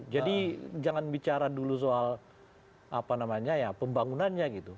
jadi jangan bicara dulu soal apa namanya ya pembangunannya gitu